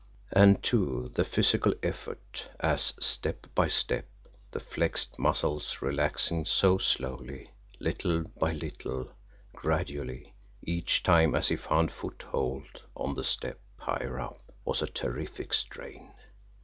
And, too, the physical effort, as, step by step, the flexed muscles relaxing so slowly, little by little, gradually, each time as he found foothold on the step higher up, was a terrific strain.